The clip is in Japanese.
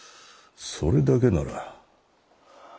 それだけなら。